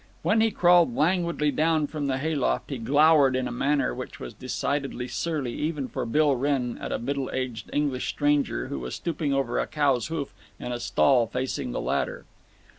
When he crawled languidly down from the hay loft he glowered in a manner which was decidedly surly even for Bill Wrenn at a middle aged English stranger who was stooping over a cow's hoof in a stall facing the ladder.